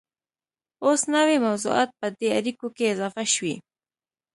اوس نوي موضوعات په دې اړیکو کې اضافه شوي